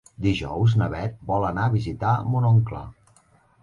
Dijous na Bet vol anar a visitar mon oncle.